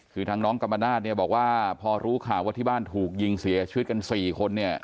คือทางน้องกรรมนาศเนี่ยบอกว่าพอรู้ข่าวว่าที่บ้านถูกยิงเสียชีวิตกัน๔คนเนี่ย